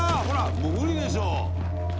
もう無理でしょ！